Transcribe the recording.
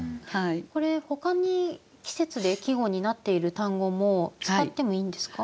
これほかに季節で季語になっている単語も使ってもいいんですか？